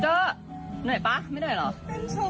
เกร๊ะเหนื่อยปะไม่เหนื่อยหรอ